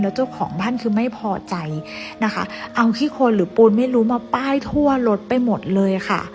เจ้าของบ้านคือไม่พอใจนะคะเอาขี้คนหรือปูนไม่รู้มาป้ายทั่วรถไปหมดเลยค่ะ